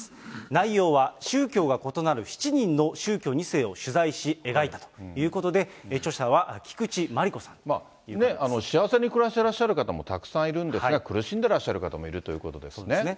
内容は、宗教が異なる７人の宗教２世を取材し、描いたということで、著者幸せに暮らしてらっしゃる方もたくさんいるんですが、苦しんでらっしゃる方もいるということですね。